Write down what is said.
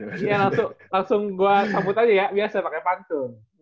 iya langsung gue sambut aja ya biasa pakai pantun